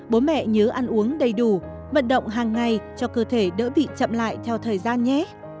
bố mẹ nhớ ăn uống đầy đủ vận động hàng ngày cho cơ thể đỡ bị chậm lại theo thời gian nhé